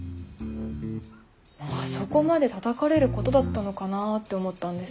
あそこまでたたかれることだったのかなって思ったんです。